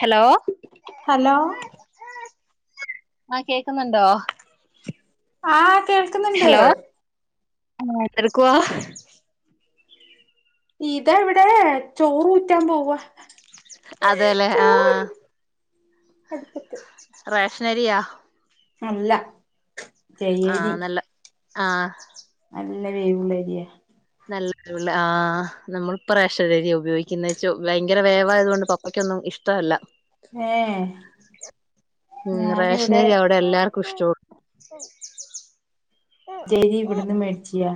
Hello hello ആഹ് കേക്കുന്നുണ്ടോ ആഹ് കേൾക്കുന്നുണ്ട് ആണോ എന്തെടുക്കുവാ ഇതാ ഇവിടെ ചോറൂറ്റാൻ പോവാ അതേല്ലേ ആഹ് അടുപ്പത്ത് റേഷനരിയാ അല്ല ജയേരി ആഹ് നല്ല ആഹ് നല്ല വേവുള്ളരിയാ നല്ല വേവുള്ള ആഹ് നമ്മളിപ്പ റേഷനരിയാ ഉപയോഗിക്കുന്ന ചോ ഭയങ്കര വേവായതുകൊണ്ട് പപ് പ്പക്കൊന്നും ഇഷ്ടമല്ല ഏഹ് ഉം ഞാനിവിടെ റേഷ്നരിയാ ഇവിടെ എല്ലാർക്കും ഇഷ്ടോള്ളു ജയരി ഇവിടുന്ന് മേടിച്ചിയാ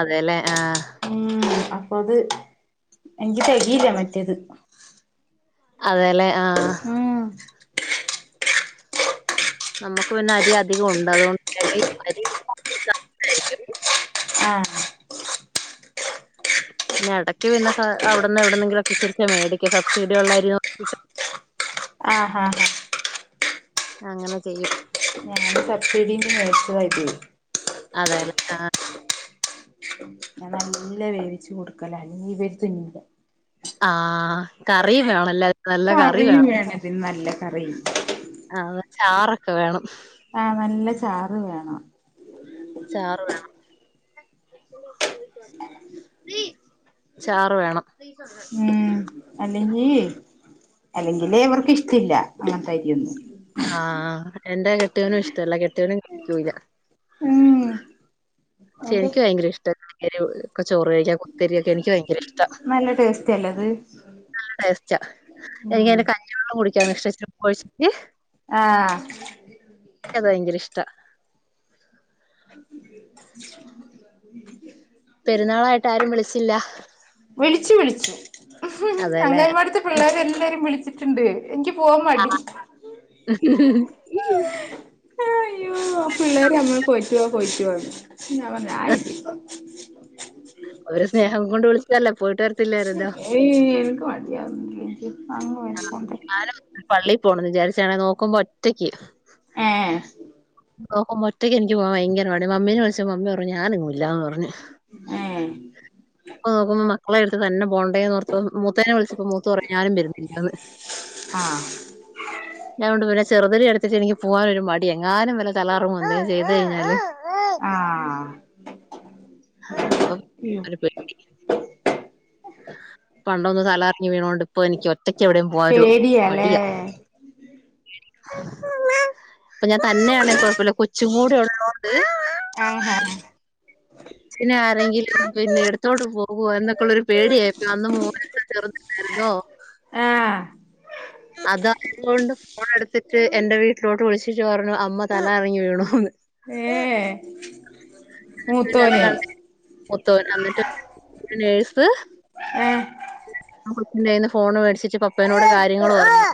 അതേല്ലേ ആഹ് ഉം അപ്പൊ അത് എനിക്ക് തെകയില്ല മറ്റേത് അതേലെ ആഹ് ഉം അമ്മക്ക് പിന്നെ അരി അധികം ഉണ്ട് അതുകൊണ്ട് [unintelligible] ആഹ് ന്ന ഇടക്ക് പിന്നെ സ അവിടുന്ന് എവിടെന്നെങ്കിലും ക്കസരിച്ച മേടിക്ക സബ്സിഡി ഉള്ളരീ ആഹ് ഹാ ഹ അങ്ങനെ ചെയ്യും ഞാന് പച്ചരിം [inaudible] അതെല്ലേ ആഹ് ഞാന് നല്ല വേവിച്ചു കൊടുക്കല അല്ല നീ ഇവര് തിന്നില്ല ആഹ് കറി വേണല്ല കറിയും വേണതി നല്ല കറിയും ആഹ്ന്ന് ചാറൊക്കെ വേണം ആഹ് നല്ല ചാറ് വേണം ചാറ് വേണം ചാറ് വേണം അല്ലെങ്കീ അല്ലെങ്കിലേ ഇവർക്ക് ഇഷ്ടല്ല അങ്ങൻത്തെരിയൊന്നും ആഹ് എന്റെ കെട്ട്യോനും ഇഷ്ടല്ല കെട്ട്യോനും കഴിക്കൂല്ല ഉം അതിന്റെ പക്ഷെനിക്ക് ഭയങ്കര ഇഷ്ട ചോറ് കഴിക്കാ കൊത്തരിയൊക്കെ എനിക്ക് ഭയങ്കര ഇഷ് നല്ല ടേസ്റ്റല്ലത് നല്ല ടേസ്റ്റാ എനിക്ക് അതിന്റെ കഞ്ഞിവെള്ളം കുടിക്കാ [unintelligible] ആഹ് [unintelligible] ഭയങ്കര ഇഷ്ട ഉ പെരുന്നാളായിട്ട് ആരും വിളിച്ചില്ല വിളിച്ചു വിളിച്ചു അതെല്ലേ അംഗൻവാടിത്തെ പിള്ളേരെ എല്ലാരും വിളിച്ചു ച്ച്ണ്ട് എനിക്ക് പോവാൻ മടി ഉ അയ്യോ ആ പിള്ളേര് അമ്മള് പോയിട്ട് വാ പോയിട്ടുവാർഞ് ഞാ വർഞ് ഞാ [unintelligible] ഒരു സ്നേഹം കൊണ്ട് വിളിച്ചതല്ല പോയിട്ട് വരത്തില്ലായിരുന്നോ എനിക്ക് മടിയ [unintelligible] പള്ളിയി പോണംന്ന് വിചാരിച്ചാണെ നോക്കുമ്പോ ഒറ്റയ്ക്ക് ഏഹ് [unintelligible] മൊറ്റയ്ക്ക് ഇൻക്ക് പോവാൻ ഭയങ്കര മടി മമ്മിനെ വിളിച്ച മമ്മി പറഞ് ഞാനങ്ങും ഇല്ലന്ന് പറഞ്ഞു ഏഹ് അപ്പനോക്കുമ്പോ മക്കളെട്ത്ത് തന്നെ പോണ്ടേന്ന് ഓർത്ത് മൂത്തനെ വിളിച്ചപ്പോ മൂത്ത പറഞ്ഞു ഞാനും വരുന്നു പിന്നത് ആഹ് ഞാഓണ്ട് പിന്നെ ചെറുതിനെ ഞാഎട്ത്തിട്ട് എനിക്ക് പോകാനൊരു മടി എങ്ങാനും വല്ല തലാറും വന്ന് ചെയ്ത്കഴിഞ്ഞാല് ആഹ് അപ്പം അയ്യോ ആനെപ്പോയി പണ്ടൊന്ന് തലകറങ്ങി വീണോണ്ട് ഇപ്പൊ എനിക്ക് ഒറ്റക്ക് എവിടെയും പോവാ ഒരു പേടിയാല്ലേ മടിയാ ഇപ്പ ഞാൻ തന്നെയാണെങ്കി കൊഴപ്പവില്ല കൊച്ചും കൂടെ ഉള്ളോണ്ട് ആഹ് ഹാ പിന്നെ ആരെങ്കിലും പിന്നെ എടുത്തോട്ട് പോകുവോ എന്നൊക്കെ ഉള്ള ഒരു പേടിയായിരുന്നു അന്ന് മോന് ചെറുതാ [unintelligible] ആഹ് അതാ ക്കൊണ്ടും ഫോൺ എടുത്തിട്ട് എന്റെ വീട്ടിലോട്ട് വിളിച്ചിട്ട് പറഞ്ഞു അമ്മ തല കറങ്ങി വീണൂന്ന്. ഏഹ് ഏ പിന്നത് മൂത്തോന് [inaudible] മൂത്തോൻ അന്നിട്ട് നേഴ്‌സ്. ആഹ് ആ കൊച്ചിന്റെ കൈന്ന് ഫോണ് മേടിച്ചിട്ട് പപ്പേനോട് കാര്യങ്ങള് പറഞ്ഞു.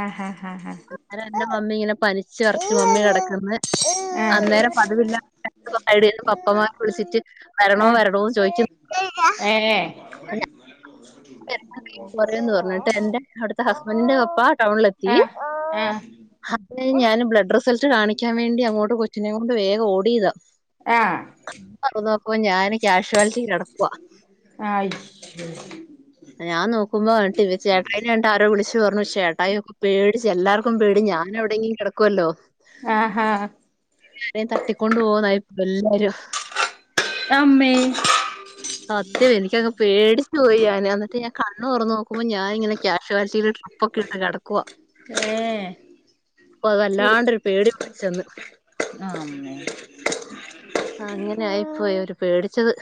ആഹ് ഹാ ഹെ അന്നേരം എന്റെ മമ്മി ഇങ്ങനെ പനിച്ചുവെറച്ച് മമ്മി കെടക്കന്ന്. ഹാ അന്നേരം പതിവില്ലാതെ [inaudible] പപ്പമാരെ വിളിച്ചിട്ട്. വരണോ വരണോ ചോദിച്ചു. ഏ ഏ. [inaudible] പോരെന്ന് പറഞ്ഞിട്ട് എന്റെ അവിടുത്തെ ഹസ്ബെന്റിന്റെ പപ്പ ടൗണിലെത്തി. ആഹ് ആഹ് അത് കയിഞ്ഞ് ഞാന് ബ്ലഡ് റിസൾട്ട് കാണിക്കാൻ വേണ്ടി അങ്ങോട്ട് കൊച്ചിനേംക്കൊണ്ട് വേഗം ഓടിയതാ. ആഹ് അപ്പൊ നോക്കുമ്പോ ഞാന് ക്യാഷ്വാലിറ്റി കെടക്കുവ. ആയി. ഉം ഞാൻ നോക്ക്മ്പൊ എട്ട് വി ചെട്ടായിനെ എന്നട്ട് ആരോ വിളിച്ചു പറഞ്ഞു ചേട്ടായി ഒക്കെ പേടിച്ച് എല്ലാർക്കും പേടി ഞാന അവ്ടെ ഇ കെടക്കുവല്ലോ. ആഹാ. [unintelligible] തട്ടിക്കൊണ്ട് പോകൊന്നായിരുന്നു എല്ലാരും. അമ്മേ. സത്യം എനിക്കങ് പേടിച്ചു പോയി ഞാൻ. ഞാ എന്നട്ട് ഞാൻ കണ്ണ് തൊറന്ന് നോക്കുമ്പോ ഞാൻ ഇങ്ങെ ക്യഷോലിറ്റി ട്രിപ്പ് ഒക്കെ ഇട്ട് കെടക്കുവാ. ഏ അപ്പൊ ചൂട് വല്ലാണ്ടെരു പേടി പിടിച്ചന്ന്. അമ്മേ ആ അങ്ങനെ ആയിപ്പോയി ഒരു പേടിച്ചത്.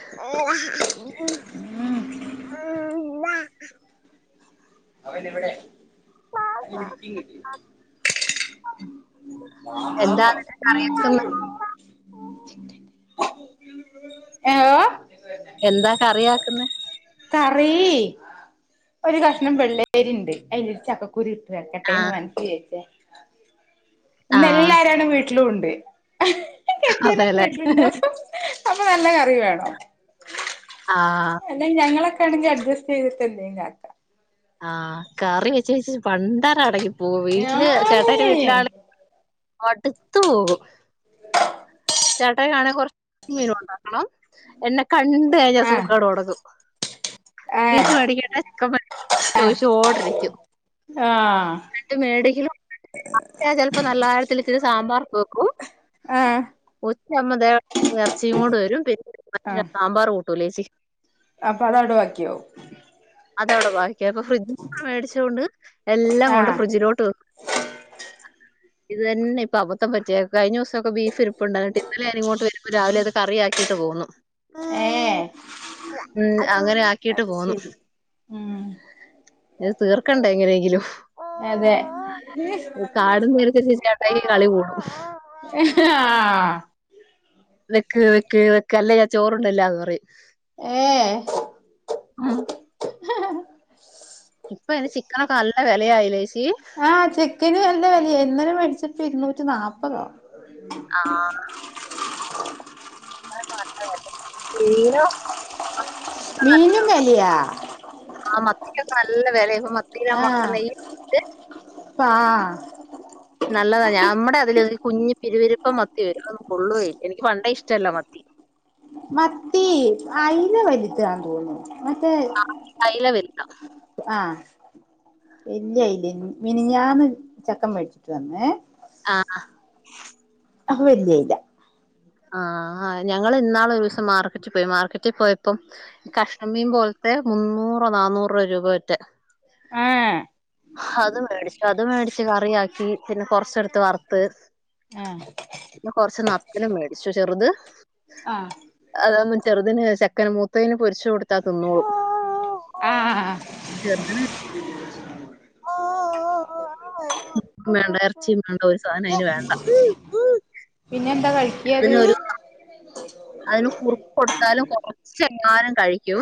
ഉം ഉം ബ.. അവൻ ഇവിടെ. എന്താ എന്നിട്ട് കറിയാക്കുന്നെ? [unintelligible] ഏഹ് എന്താ കറിയാക്ക്ന്നെ. കറീ ഒരു കഷ്ണം വെള്ളേരിണ്ട് അതിലൊരു ചക്കക്കുരൂ ഇട്ട് ആ വെക്കട്ടെന്ന് മനസ്സില് വിചായിച്ച് ആ ഇന്ന്എല്ലാരാണ് വീട്ടിലും ഉണ്ട്. കെട്ടിയോനൊക്കെ അതെല്ലേ. വീട്ടിലുണ്ട് അപ്പൊ നല്ല കറി വേണോം. ആഹ് അല്ലെ ഞങ്ങളൊക്കേണെങ്കി അട്ജസ്റ്റ് ചെയ്തിട്ട്എന്തേങ്കും കാക്ക.. ആഹ് കറി വെച്ച് വെച്ച് പണ്ടരം അടങ്ങി പോകും വീട്ടില് ചേട്ടായിന്റെ ഞാന് വീട്ടില് ആള് മട്ത്തു പോകും. ചേട്ടയി കാണെ കൊറച്ച് മീൻ ഒണ്ടാക്കണം എന്നെ കണ്ട് കഴിഞ്ഞാ ആഹ് സൂക്കെട് തൊടങ്ങും. ആഹ് ബീഫ് മെടിക്കെട്ടെ ചിക്കൻ മെടിക്കെട്ടെ ആഹ് ചോയ്ച്ചോണ്ടിരിക്കും. ആഹ് മേടിക്കെലും അപ്പൊ ഞാൻ ചെലപ്പോ നല്ലാകാര്യത്തിൽ ഇത്തിരി സാമ്പാർക്കെ വെക്കും. ആഹ് ഉച്ചയാകുമ്പൊ ദേ എറച്ചീം കൊണ്ട് വരും പിന്നെ മനുഷ്യൻ ആഹ് സാമ്പാർ കൂട്ടൂലേച്ചി. അപ്പൊ അത് അവ്ടെ വാക്കിയാവും. അത അവിടെ ബാക്കി അപ്പൊ ഫ്രിഡ്ജി ഇപ്പോ മേടിച്ചോണ്ട് എല്ലാം കൊണ്ട് ആഹ് ഫ്രിഡ്ജിലോട്ട് വെ ഇത് തന്നെ ഇപ്പൊ അബത്തം പറ്റിയെ കഴിഞ്ഞ ദിവസൊക്കെ ബീഫ് ഇരി പ്പൊണ്ട് അന്നട്ട് ഇന്നലെ ഞാനി ഇങ്ങോട്ട് വരുമ്പോ രാവിലെ അത് കറിയാക്കിട്ട് പോന്നു. ഏഹ് ഉം അങ്ങനെ ആക്കിട്ട് പോന്നു അത്ശരി ഉം ഇത് തീർക്കണ്ടേ എങ്ങനെയെങ്കിലും അതെ കാടന്ന് [unintelligible] [unintelligible] [unintelligible] ആഹ് നിക്ക് നിക്ക് നിക്ക് അല്ല ഞ ചോറ്ണ്ണ്ല്ല പറയും എഹ് ഇപ്പൊ അയ്ന് ചിക്കനൊക്കെ നല്ല വെല ആയിലേച്ചി ആഹ് ചിക്കന് വല്ല വലെ ആയി ഇന്നലെ മേടിച്ചിപ്പോ ഇരുന്നൂറ്റി നാല്പ്തോ ആഹ് മീനോ? മീനും വെലയ ആഹ് മത്തിക്കെ നല്ല വെലയ ആഹ് പാഹ് നല്ലതാ ഞമ്മടെ അതിലെ ഒരു കുഞ്ഞ് പിരുവിരിപ്പം മത്തി വരും ഒന്നും കൊള്ളുവല്ല എനിക്ക് പണ്ടേ ഇഷ്ടല്ല മത്തി മത്തി അയിനെ വലി [unintelligible] അയില വിൽക്കാം [unintelligible] ആഹ് വല്യ അയ്ല മനിഞ്ഞാന്ന് ചെക്കൻ മേടിച്ചിട്ട് വന്ന് അഹ് അഹ് അത് വല്യ അയ്ല ആഹ് ആഹ് ഞങ്ങള് ഇന്നാള് ഒരുസം മാർക്കറ്റിൽ പോയി മാർക്കറ്റിൽ പോയപ്പം കഷമീൻ പോലത്തെ മുന്നൂറോ നന്നൂറോ രൂപ [unintelligible] എഹ് അത് മേടിച്ചു അത് മേടിച്ച് കറിയാക്കി പിന്നെ കൊറച്ചെടുത്ത് വറുത്ത് എഹ് പിന്നെ കൊറച്ച് ന്നത്തല് മേടിച്ചു ചെറുത് അതൊന്നും ചെറുതിന് ചെക്കന് മൂത്തേന് പൊരിച്ചു കൊടുത്താ തിന്നോളും ആ ആ ചെർദ്ന് വേണ്ട ഇറച്ചിയും വേണ്ട ഒരു സാധനം അയിന് വേണ്ട എന്ത കഴിക്കത് അതിനൊരു അതിന് കുറുക്ക് കൊടുത്താലും കൊറച്ചെങ്ങാലും കഴിക്കും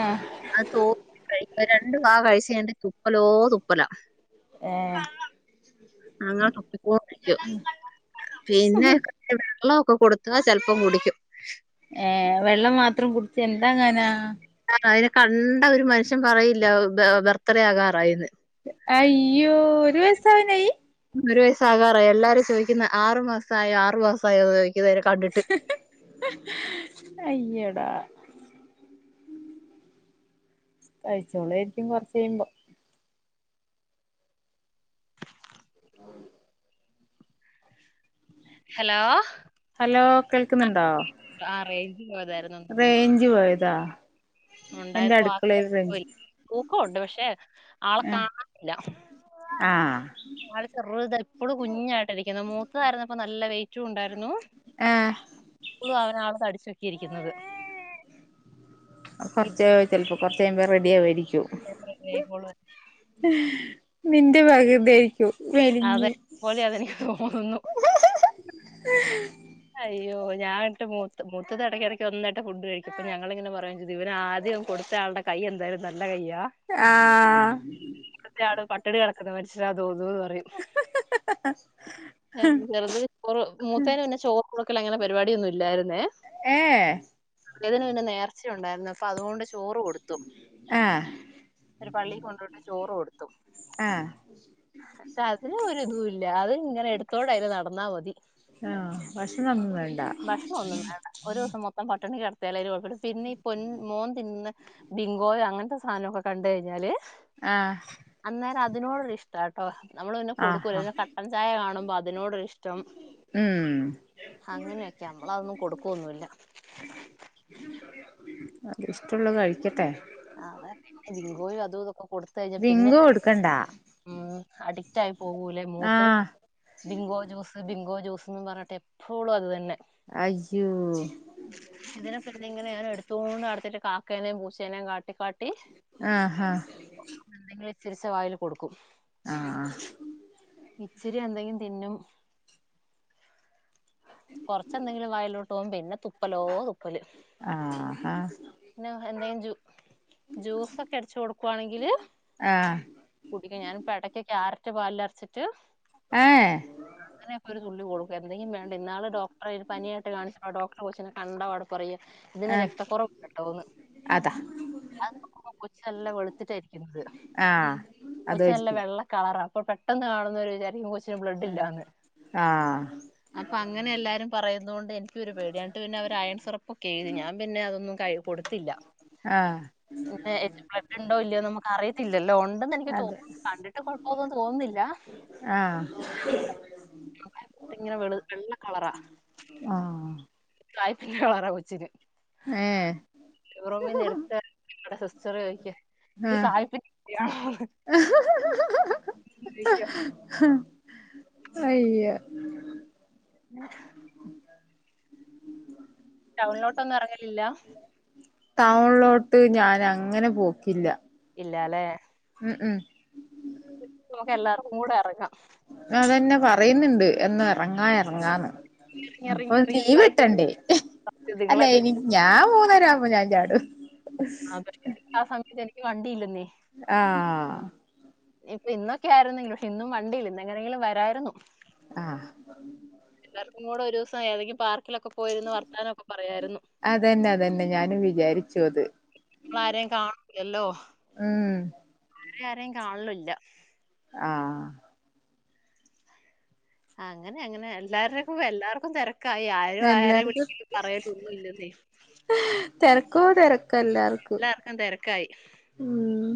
ആ അത് തോ രണ്ട് പാ കഴിച്ച് കഴിഞ്ഞ തുപ്പലോ തുപ്പല എഹ് [unintelligible] പിന്നെ വെള്ളം ഒക്കെ കൊടുത്ത ചെലപ്പം കുടിക്കും ഏഹ് വെള്ളം മാത്രം കുടിച്ച് എന്താ കാനാ ആഹ് അതിനെ കണ്ട ഒരു മനുഷ്യൻ പറയില്ല ബർത്ത്ഡേ ആകാറായിന്ന് അയ്യോ ഒരു വസാവനായി ഒരു വയസാകാറായി എല്ലാരും ചോദിക്കുന്നെ ആറു മാസ ആയോ ആറു മാസ ആണോ ചോദിക്കുന്നവരെ കണ്ടിട്ട് അയ്യൊട കഴിച്ചോളായിരിക്കും കൊർച്ച് കഴിമ്പോ ഹലോ ഹലോ കേൾക്കുന്നുണ്ടോ? ആഗ് റേഞ്ച് പോയതാര്ന്നു അഞ്ചു പോയതാ എന്റെ ഉണ്ടായപ്പോ അടുക്കളയിൽ റേഞ്ച് [unintelligible] തൂക്കണ്ട് പക്ഷെ ആളെ കാണാനില്ല ആഹ് ആള് ചെറുതാ ഇപ്പളും കുഞ്ഞായിട്ടിരിക്കുന്നു മൂത്തതായിരുന്നപ്പ നല്ല വെയ്റ്റും ഉണ്ടായിരുന്നു ഫുളളും അവനാണ് തടിച്ചക്കെ ഇരിക്കുന്നത്. ഇത് കുറച്ച് ചിലപ്പോ കുറച്ച് കഴിയുമ്പം റെഡി ആവുവായിരിക്കും. ചിലപ്പോ റെഡിയായിക്കോളും നിന്റെ പ്രകൃതി ആയിരിക്കും അതെ പോലെ അതെനിക്ക്‌ തോന്നുന്നു. അയ്യോ ഞാനിട്ട് മൂത്ത മൂത്തത് ഇടയ്ക്കിടയ്ക്ക് നന്നായിട്ട് ഫുഡ് കഴിക്ക അപ്പൊ ഞങ്ങളിങ്ങനെ പറയുംചെയ്തു ഇവൻ ആദ്യം കൊടു ചാളുടെ കൈ എന്തായാലും നല്ല കയ്യാ ആഹ് ഇവിടുത്തെ ആള് പട്ടിണികിടക്കുന്ന മനുഷ്യനാ തോന്നൂന്ന് പ ചെറുത് ചോറ് മൂത്തേന് പിന്നെ ചോറ് കുറുക്കൽ അങ്ങനെ പരിപാടിയൊന്നും ഇല്ലായിരുന്നേ ഏഹ് ഇളേതിന്പിന്നെ നേർച്ച ഉണ്ടാരുന്നു അപ്പൊ അതുകൊണ്ട് ചോറ് കൊടുത്തു. ആഹ് ഒരു പള്ളിൽ കൊണ്ട് പോയിട്ട് ചോറ് കൊടുത്തു. ആഹ് പക്ഷെ അതിന് ഒരു ഇതുല്ല അതിന് ഇങ്ങനെ എടുത്തോണ്ടതിന് നടന്നാ മതി. ആഹ് ഭക്ഷണൊന്നും വേണ്ട ഭക്ഷണം ഒന്നും വേണ്ട ഒരു ദിവസം മൊത് ത്തം പട്ടിണി കിടത്തിയാലും അതിന് കുഴപ്പില്ല പിന്നെ ഇ പൊൻ മോൻ തിന്നന്ന ബിങ്കോയോ അങ്ങനത്തെ സാധനോക്കെ കണ്ടു കഴിഞ്ഞാല് ആഹ് അന്നേരം അതിനോടൊരു ഇഷ്ടാ ട്ടോ നമ്മള് പിന്നെ കൊടുക്കൂല ആഹാ പിന്നെ കട്ടൻ ചായ കാണുമ്പോ അതിനോടൊര് ഇഷ്ടം ഉം അങ്ങനെയൊക്കെയാ നമ്മള് അതൊന്നും കൊടുക്കൂ ഒന്നു ഇല്ല. അത് ഇഷ്ടുള്ളത് കഴിക്കട്ടെ ആന്ന് പിന്നെ ബിങ്കോയും അതും ഇതൊക്കെ കൊടുത്ത് ത്ത് കഴിഞ്ഞാ പിന്നെ ഡിങ്കു കൊടുക്കണ്ട ഉ അഡിക്റ്റ് ആയി പോകൂലേ മൂത്തത് ആഹ് ബിങ്കോ ജ്യൂസ് ബിങ്കോ ജ്യൂസ് എന്ന് പറഞ്ഞിട്ട് എപ്പോളും അത് തന്നെ അയ്യോ ഇതിനെപ്പിന്നെ ഇങ്ങനെ ഞാൻ എടുത്തോണ്ട് നടത്തീട്ട് കാക്കേനേം പൂച്ചേനേം കാട്ടിക്കാട്ടി ആഹ് ഹാ ഓ എന്തെങ്കിലും ഇച്ചരിച്ച വായില് കൊടുക്കും ആഹ് ആഹ് ഇച്ചിരി എന്തെങ്കിലും തിന്നും കൊറച്ച് എന്തെങ്കിലും വയിലോട്ട് പോം പിന്നെ തുപ്പലോ തുപ്പല് ആഹാ പിന്നെ എന്തെങ്കിലും ജൂ ജ്യൂസൊക്കെ അടച്ച് കൊടുക്കുവാണെങ്കില് ആഹ് കുടിക്ക ഞാനിപ്പ ഇടയ്ക്ക് ക്യാരറ്റ് പാലിലരച്ചിട്ട് ഏ അങ്ങനൊക്കെ ഒരു തുള്ളി കൊടുക്കും എന്തെങ്കിലും വേണ്ടെ ഇന്നാള് ഡോക്ടറെ പനിയായിട്ട് കാണിച്ചപ്പം ഡോക്ടറ് കൊച്ചിനെ കണ്ട പാടെ പറയ ഇതിന് രക്തക്കുറവ് ഉണ്ട് ട്ടോന്ന് അത അത് നോക്കുമ്പം കൊച്ച് നല്ല വെളുത്തിട്ട ഇരിക്കുന്നത് ആഹ് അത് കൊച്ച് നല്ല കഴിക്കും വെള്ള കളറാ അപ്പോ പെട്ടെന്ന് കാണുന്നവര് വിചാരിക്കും കൊച് ആഹ് അപ്പാങ്ങനെ എല്ലാരും പറയുന്നോണ്ട് എനിക്കൊരു പേടി അട്ട് പിന്നവരയൺ സിറപ്പൊക്കെഴുതി ഞാൻ പിന്നെ അതൊന്നും കഴി കൊടുത്തില്ല ആഹ് ബെ ബ്ലഡ്ണ്ടോ ഇല്ലയോന്നമ്ക്ക് അറിയത്തിലല്ലോ ഒണ്ടെന്ന് എനിക്ക് അതെ തോന്നു കണ്ടിട്ട് കൊഴപ്പോന്നും തോന്നുന്നില്ല. ആഹ് [inaudible] അത്ങ്ങനെ വെള് വെള്ള കളറാ സായിപ്പിന്റെ കളറാ കൊച്ചിന് ഏ ഉറുമിന്ന് എടുത്ത ങ്ങടെ സിസ്റ്റർ ചോയ്ച്ചു ക്കെ ചോദിക്കുക ആഹ്ഹഹഹഹഹഹ അയ്യ [unintelligible] ടൗണിലോട്ടൊന്നും എറങ്ങലില്ല ടൗൺലോട്ട് ഞാനങ്ങനെ പോക്കില്ല ഇല്ലാല്ലേ ഉം ഉം നമുക്കെല്ലാർക്കും കൂടെറങ്ങാം അതന്നെ പറയുന്നുണ്ട് എന്നു എറങ്ങാ എറങ്ങാന്ന് ഇറങ്ങി അപ്പൊ ഇറങ്ങി ഇറങ്ങി ഇരുന്നാൽ ലീവ്ട്ടണ്ടേ നിങ്ങളെന്റെ അല്ലേനി ഞാൻ മൂന്നരാവുമ്പോ ഞാൻ ചാടും [unintelligible] ആ സമയത്ത് എനിക്ക് വണ്ടിയില്ലെന്നേ ആഹ് ഇപ്പൊ ഇന്നൊക്കെയാരുന്നെങ്കിലും ഇന്നും വണ്ടിയില്ല ഇന്നെങ്ങനെങ്കിലും വരായിരുന്നു ആഹ് എർക്കും കൂടെ ഒരൂസം ഏതെങ്കിം പാർക്കിലൊക്കെ പോയിരുന്ന് വർത്താനൊക്കെ പറയാരുന്നു അതന്നെ അതന്നെ ഞാനും വിചാരിച്ചു അത് ല്ലോ ഉം വേറെ ആരേം കാണലൂല്ല ആഹ് അങ്ങനെ അങ്ങനെ എല്ലാവരുടെക്കും എല്ലാർക്കും തെരക്ക- ക്കായി ആരും ആരെയും വിളിക്കലും പറയലു ഒന്നുല്ലെന്നേ ഹ് തെരക്കോടെരക്കെല്ലർക്കും എല്ലാവക്കും തെരക്കായി ഉം